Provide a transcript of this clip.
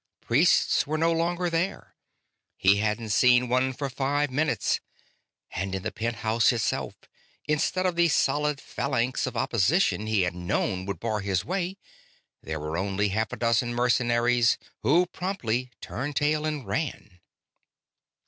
Priests were no longer there he hadn't seen one for five minutes. And in the penthouse itself, instead of the solid phalanx of opposition he had known would bar his way, there were only half a dozen mercenaries, who promptly turned tail and ran.